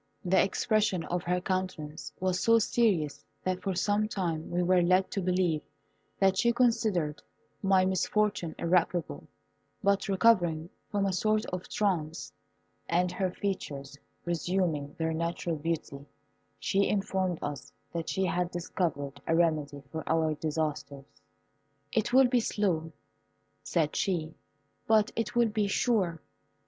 The expression of her countenance was so serious that for some time we were led to believe that she considered my misfortune irreparable; but recovering from a sort of trance, and her features resuming their natural beauty, she informed us that she had discovered a remedy for our disasters. "It will be slow," said she, "but it will be sure.